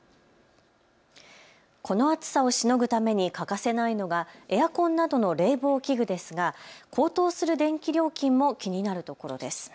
この暑さをしのぐために欠かせないのがエアコンなどの冷房器具ですが高騰する電気料金も気になるところです。